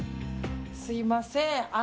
すみません。